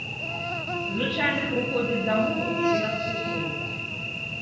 Звычайна прыходзяць дамоў і распытваюць.